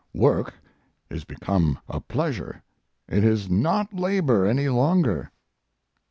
Work is become a pleasure it is not labor any longer.